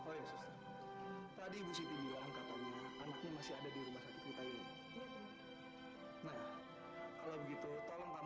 aku sudah terima kasih ibu